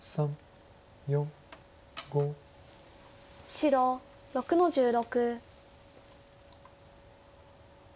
白６の十六。